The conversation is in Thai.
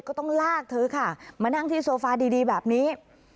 ก็ต้องลากเธอค่ะมานั่งที่โซฟาดีแบบนี้